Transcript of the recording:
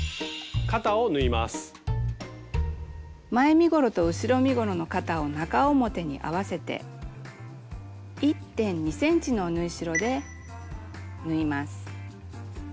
前身ごろと後ろ身ごろの肩を中表に合わせて１．２ｃｍの縫い代で縫います。